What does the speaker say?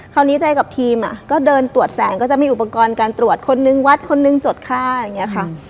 คราวนี้ใจกับทีมก็เดินตรวจแสงก็จะมีอุปกรณ์การตรวจคนนึงวัดคนนึงจดค่าอย่างนี้ค่ะ